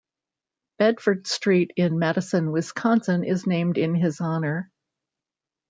Bedford Street in Madison, Wisconsin is named in his honor.